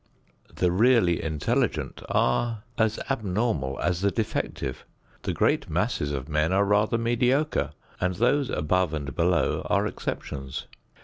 The really intelligent are as abnormal as the defective. The great masses of men are rather mediocre, and those above and below are exceptions.